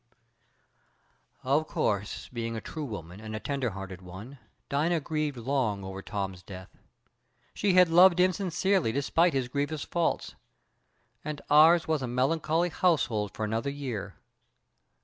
"Of course, being a true woman, and a tender hearted one, Dina grieved long over Tom's death. She had loved him sincerely despite his grievous faults, and ours was a melancholy household for another year.